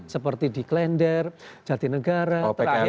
seperti di klender jatinegara terakhir